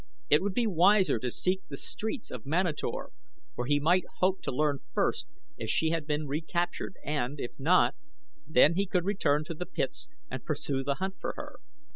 It would be wiser to seek the streets of Manator where he might hope to learn first if she had been recaptured and, if not, then he could return to the pits and pursue the hunt for her.